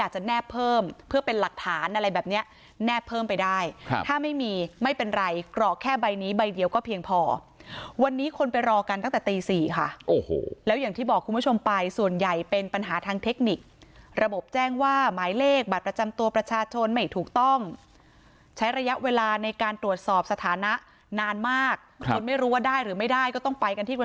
จะแนบเพิ่มเพื่อเป็นหลักฐานอะไรแบบเนี้ยแนบเพิ่มไปได้ถ้าไม่มีไม่เป็นไรกรอกแค่ใบนี้ใบเดียวก็เพียงพอวันนี้คนไปรอกันตั้งแต่ตี๔ค่ะโอ้โหแล้วอย่างที่บอกคุณผู้ชมไปส่วนใหญ่เป็นปัญหาทางเทคนิคระบบแจ้งว่าหมายเลขบัตรประจำตัวประชาชนไม่ถูกต้องใช้ระยะเวลาในการตรวจสอบสถานะนานมากจนไม่รู้ว่าได้หรือไม่ได้ก็ต้องไปกันที่กระ